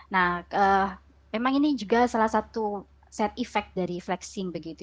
nah memang ini juga salah satu set effect dari flexing begitu